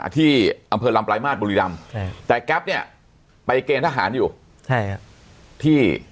ที่อำเภอลำปลายมาสบุรีรำแต่แก๊ปเนี่ยไปเกณฑ์ทหารอยู่ใช่ครับที่